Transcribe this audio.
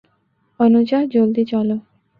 অনুযা, জলদি চল।